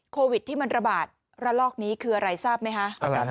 โควิดที่มันระบาดระลอกนี้คืออะไรทราบไหมคะ